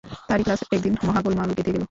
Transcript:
তাঁরই ক্লাসে একদিন মহা গোলমাল বেধে গেল।